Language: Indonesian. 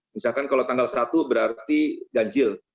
misalkan kalau tanggal satu berarti ganjil